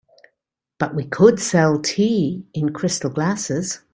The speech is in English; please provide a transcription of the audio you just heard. But we could sell tea in crystal glasses.